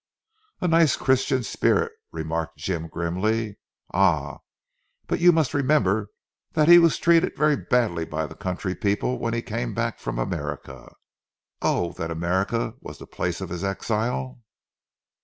"A nice Christian spirit!" remarked Jim grimly. "Ah! but you must remember that he was treated very badly by the country people when he came back from America." "Oh! Then America was the place of his exile?"